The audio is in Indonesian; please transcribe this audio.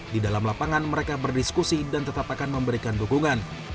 di dalam lapangan mereka berdiskusi dan tetap akan memberikan dukungan